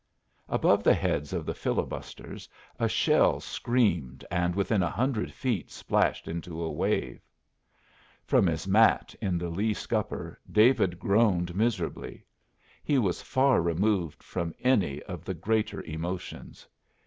Above the heads of the filibusters a shell screamed and within a hundred feet splashed into a wave. From his mat in the lee scupper David groaned miserably. He was far removed from any of the greater emotions.